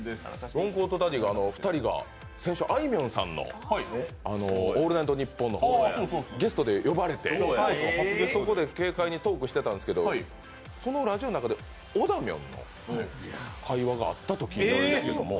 ロングコートダディ２人が先週、あいみょんさんの「オールナイトニッポン」にゲストで呼ばれて、軽快にトークされてたんですけどそのラジオの中で、おだみょんという会話があったと聞いているんですけども。